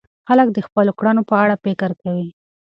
خلک د خپلو کړنو په اړه فکر کوي.